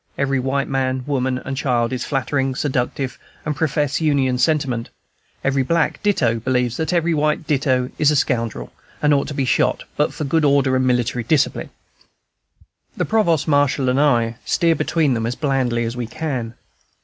Every white man, woman, and child is flattering, seductive, and professes Union sentiment; every black ditto believes that every white ditto is a scoundrel, and ought to be shot, but for good order and military discipline. The Provost Marshal and I steer between them as blandly as we can.